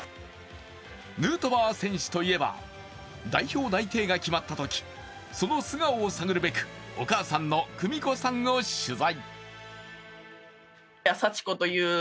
ヌートバー選手といえば、代表内定が決まったとき、その素顔を探るべく、お母さんの久美子さんを取材。